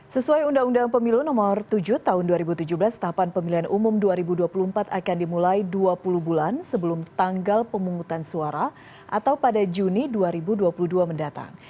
sesuai undang undang pemilu nomor tujuh tahun dua ribu tujuh belas tahapan pemilihan umum dua ribu dua puluh empat akan dimulai dua puluh bulan sebelum tanggal pemungutan suara atau pada juni dua ribu dua puluh dua mendatang